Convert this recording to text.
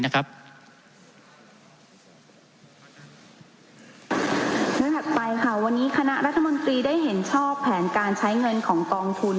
ด้านถัดไปค่ะวันนี้คณะรัฐมนตรีได้เห็นชอบแผนการใช้เงินของกองทุน